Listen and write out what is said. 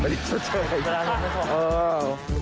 ไปเรียนรอดอลชดเชย